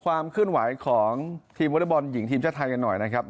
ความขึ้นหวายของทีมวอเตอร์บอลหญิงทีมชาวไทยกันหน่อยนะครับ